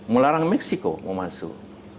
melarang meksiko memasuk